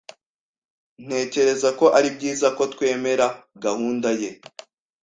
Ntekereza ko ari byiza ko twemera gahunda ye.